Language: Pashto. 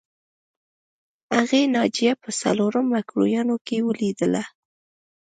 هغې ناجیه په څلورم مکروریانو کې ولیدله